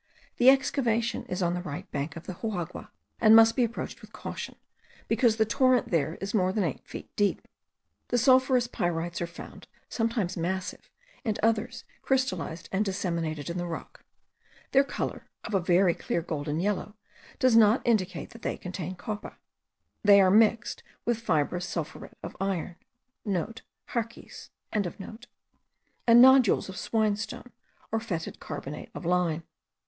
The excavation is on the right bank of the river Juagua, and must be approached with caution, because the torrent there is more than eight feet deep. The sulphurous pyrites are found, some massive, and others crystallized and disseminated in the rock; their colour, of a very clear golden yellow, does not indicate that they contain copper. They are mixed with fibrous sulphuret of iron,* (* Haarkies.) and nodules of swinestone, or fetid carbonate of lime.